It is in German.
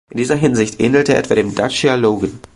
In dieser Hinsicht ähnelt er etwa dem Dacia Logan.